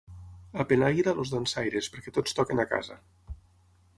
A Penàguila, els dansaires, perquè tots toquen a casa.